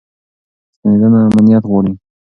ستنېدنه امنیت غواړي.